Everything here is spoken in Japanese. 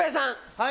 はい。